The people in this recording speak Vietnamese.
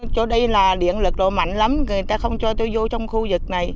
chỗ đây là điện lực độ mạnh lắm người ta không cho tôi vô trong khu vực này